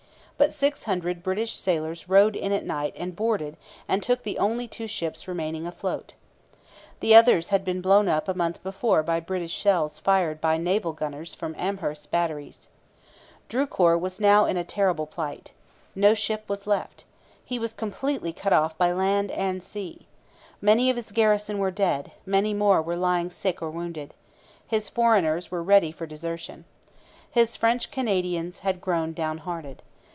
But six hundred British sailors rowed in at night and boarded and took the only two ships remaining afloat. The others had been blown up a month before by British shells fired by naval gunners from Amherst's batteries. Drucour was now in a terrible, plight. Not a ship was left. He was completely cut off by land and sea. Many of his garrison were dead, many more were lying sick or wounded. His foreigners were ready for desertion. His French Canadians had grown down hearted.